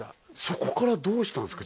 そこからどうしたんですか？